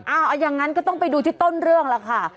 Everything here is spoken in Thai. เอาอย่างนั้นก็ต้องไปดูที่ต้นเรื่องล่ะค่ะ